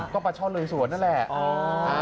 ก๋อปัชช่อลุยสวนนั่นแหละอ๋ออ่า